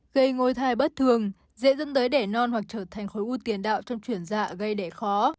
gây ngôi thai bất thường dễ dẫn tới để non hoặc trở thành khối u tiền đạo trong chuyển dạ gây đệ khó